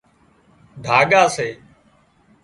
ڍاڳا سي